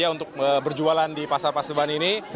untuk berjualan di pasar paseban ini